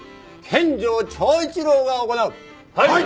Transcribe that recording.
はい！